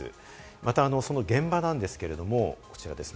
また現場なんですけれども、こちらです。